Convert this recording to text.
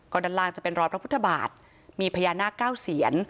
ก็ด้านล่างจะเป็นรอยพระพุทธบาทมีพญานาคเก้าเซียน